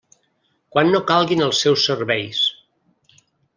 Quan no calguin els seus serveis.